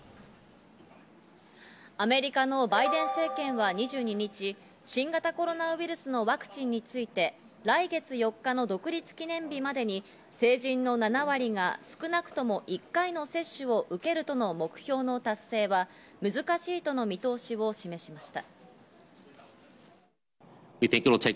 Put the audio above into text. アメリカのバイデン政権は２２日、新型コロナウイルスのワクチンについて来月４日の独立記念日までに成人の７割が少なくとも１回の接種を受けるとの目標の達成は、難しいとの見通しを示しました。